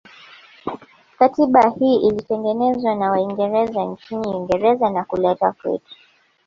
Katiba hii ilitengenezwa na waingereza nchini Uingereza na kuletwa kwetu